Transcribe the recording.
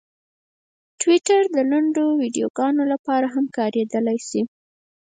ټویټر د لنډو ویډیوګانو لپاره هم کارېدلی شي.